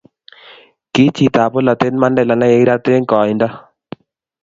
ki chitab bolatet Mandela ne kikirat eng' koindo